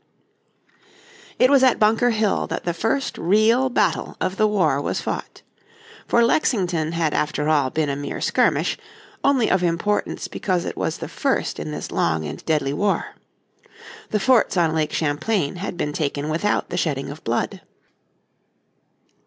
It was at Bunker Hill that the first real battle of the war was fought. For Lexington had after all been a mere skirmish, only of importance because it was the first in this long and deadly war. The forts on Lake Champlain had been taken without the shedding of blood.